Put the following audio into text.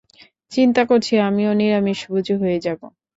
চিন্তা করছি আমিও নিরামিষভোজী হয়ে যাব।